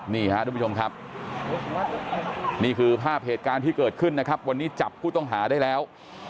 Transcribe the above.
นี่ฮะทุกผู้ชมครับนี่คือภาพเหตุการณ์ที่เกิดขึ้นนะครับวันนี้จับผู้ต้องหาได้แล้ว